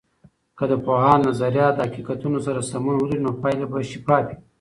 که د پوهاند نظریات د حقیقتونو سره سمون ولري، نو پایلې به شفافې وي.